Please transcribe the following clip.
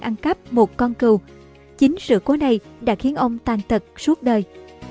ông cắp một con cừu chính sự cố này đã khiến ông tàn tật suốt đời